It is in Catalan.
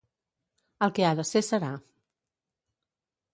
El que ha de ser, serà.